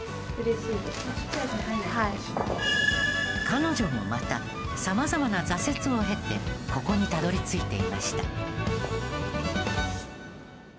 彼女もまたさまざまな挫折を経てここにたどり着いていました。